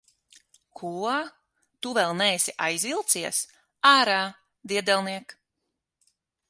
Ko? Tu vēl neesi aizvilcies? Ārā, diedelniek!